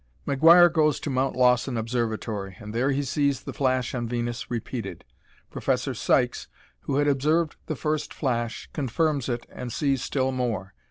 McGuire goes to Mount Lawson observatory, and there he sees the flash on Venus repeated. Professor Sykes, who had observed the first flash, confirms it and sees still more.